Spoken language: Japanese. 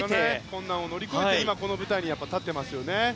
困難を乗り越えてこの舞台に立っていますよね。